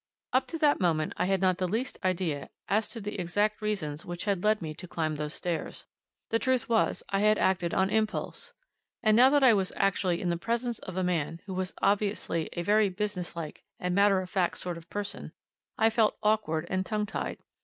Up to that moment I had not the least idea as to the exact reasons which had led me to climb those stairs. The truth was I had acted on impulse. And now that I was actually in the presence of a man who was obviously a very businesslike and matter of fact sort of person, I felt awkward and tongue tied.